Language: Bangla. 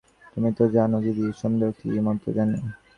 — তুমি তো জান দিদি, সন্দীপ কী মন্ত্র জানে।